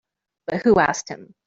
But who asked him?